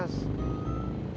biar gak lupa